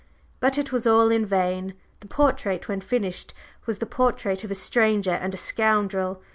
But it was all in vain: the portrait when finished was the portrait of a stranger and a scoundrel.